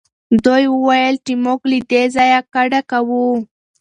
دوی وویل چې موږ له دې ځایه کډه کوو.